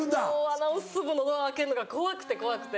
アナウンス部のドア開けるのが怖くて怖くて。